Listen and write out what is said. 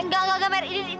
enggak enggak enggak